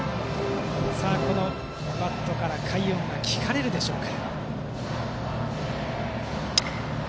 このバットから快音が聞かれるでしょうか。